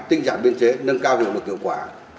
tinh giản biên chế nâng cao hiệu lực hiệu quả